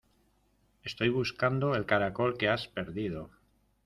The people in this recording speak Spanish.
Estoy buscando el caracol que has perdido.